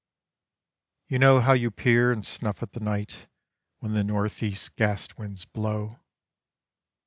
You know how you peer and snuff at the night when the Northeast gas winds blow."